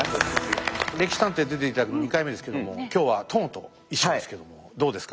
「歴史探偵」に出て頂くの２回目ですけども今日は殿と一緒ですけどもどうですか？